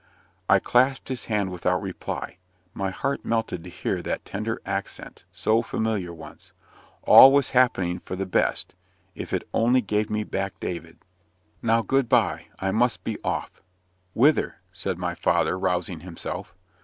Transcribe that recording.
I clasped his hand without reply. My heart melted to hear that tender accent, so familiar once. All was happening for the best, if it only gave me back David. "Now good bye I must be off." "Whither?" said my father, rousing himself.